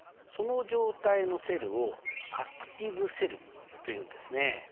その状態のセルをアクティブセルというんですね。